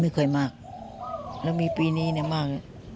ไม่เคยมากแล้วมีปีนี้มาก